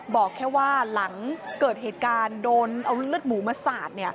บอกแค่ว่าหลังเกิดเหตุการณ์โดนเอาเลือดหมูมาสาด